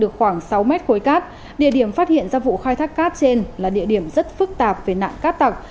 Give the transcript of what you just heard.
được khoảng sáu mét khối cát địa điểm phát hiện ra vụ khai thác cát trên là địa điểm rất phức tạp về nạn cát tặc